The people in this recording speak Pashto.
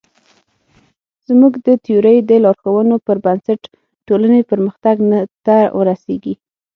زموږ د تیورۍ د لارښوونو پر بنسټ ټولنې پرمختګ ته ورسېږي.